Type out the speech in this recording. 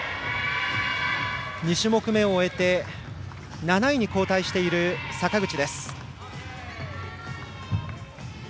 ２種目めを終えて７位に後退している坂口。